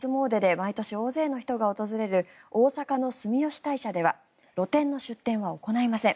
毎年大勢の人が訪れる大阪の住吉大社では露店の出店は行いません。